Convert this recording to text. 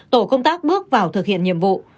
tổ công tác bước vào thực hiện nhiệm vụ